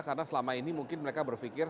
karena selama ini mungkin mereka berpikir